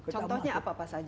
contohnya apa apa saja